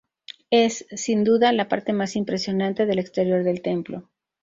Es, sin duda, la parte más impresionante del exterior del templo.